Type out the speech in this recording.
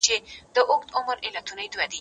زه به کتابتون ته تللی وي؟!